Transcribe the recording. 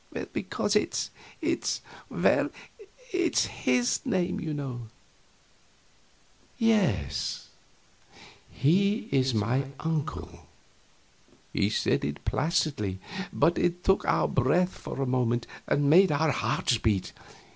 "Because it's it's well, it's his name, you know." "Yes he is my uncle." He said it placidly, but it took our breath for a moment and made our hearts beat.